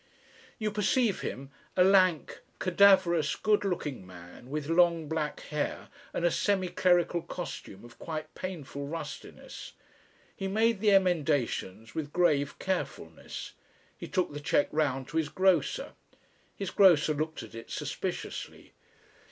You perceive him, a lank, cadaverous, good looking man with long black hair and a semi clerical costume of quite painful rustiness. He made the emendations with grave carefulness. He took the cheque round to his grocer. His grocer looked at it suspiciously.